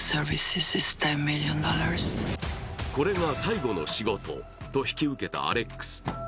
これが最後の仕事と引き受けたアレックス。